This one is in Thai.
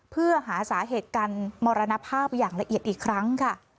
เพื่อหาสาเหตุการมรณภาพอย่างละเอียดอีกครั้งค่ะ